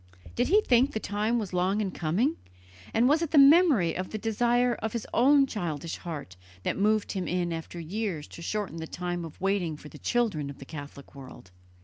Did he think the time was long in coming, and was it the memory of the desire of his own childish heart that moved him in after years to shorten the time of waiting for the children of the Catholic world?